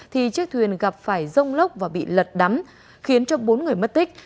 thì chiếc thuyền gặp phải rông lốc và bị lật đắm khiến cho bốn người mất tích